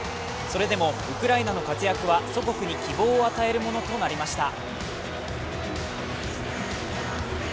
それでもウクライナの活躍は祖国に希望を与えるものとなりました。